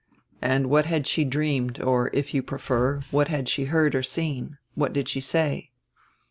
"And what had she dreamed, or, if you prefer, what had she heard or seen? What did she say?"